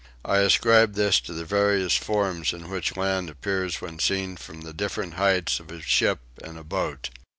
I ascribe this to the various forms in which land appears when seen from the different heights of a ship and a boat.